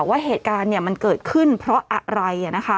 ว่าเหตุการณ์มันเกิดขึ้นเพราะอะไร